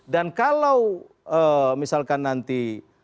dan kalau misalkan nanti